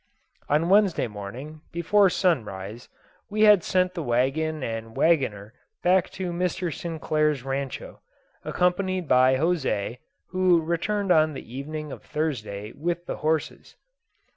On Wednesday morning, before sunrise, we had sent the wagon and wagoner back to Mr. Sinclair's rancho, accompanied by José, who returned on the evening of Thursday with the horses.